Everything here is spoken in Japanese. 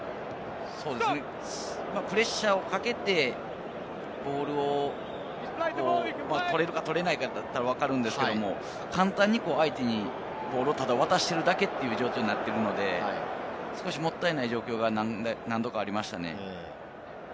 プレッシャーをかけてボールを取れるか取れないか、分かるんですけれども、簡単に相手にボールをただ渡しているだけという状況になっているので、少しもったいない状況が何度かありましたね。